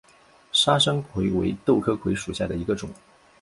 砂生槐为豆科槐属下的一个种。